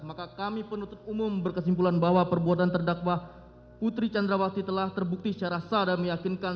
maka kami penutup umum berkesimpulan bahwa perbuatan terdakwa putri candrawati telah terbukti secara sah dan meyakinkan